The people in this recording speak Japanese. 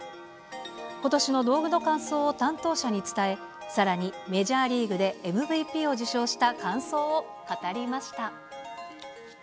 ことしの道具の感想を担当者に伝え、さらに、メジャーリーグでＭＶＰを受賞した感想を語りました。